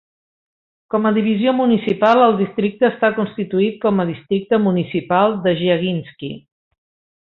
Com a divisió municipal, el districte està constituït com a districte municipal de Giaginsky.